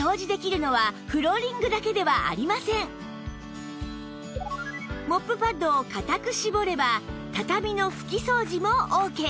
軽ピカでモップパッドを固く絞れば畳の拭き掃除もオーケー